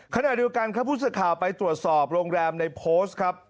ขณะเดียวกันครับผู้สื่อข่าวไปตรวจสอบโรงแรมในโพสต์ครับ